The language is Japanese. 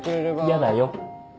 嫌だよ。